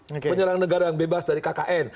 penyerang negara yang bebas dari kkn